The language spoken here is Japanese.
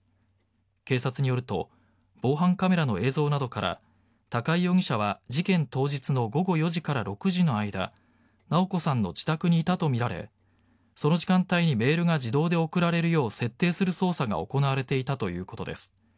警察によると防犯カメラの映像などから高井容疑者は事件当日の午後４時から６時の間直子さんの自宅にいたとみられその時間帯にメールが自動で送られるよう設定する操作が行われていたということです。